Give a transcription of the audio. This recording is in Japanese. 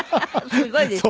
すごいですね。